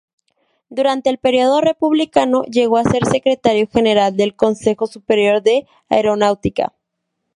Durante el periodo republicano llegó a ser secretario general del Consejo Superior de Aeronáutica.